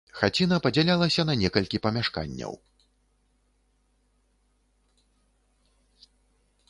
Хаціна падзялялася на некалькі памяшканняў.